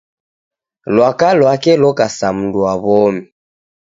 Lwaka lwake loka sa mundu wa w'omi.